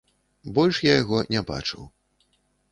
Больш я яго не бачыў.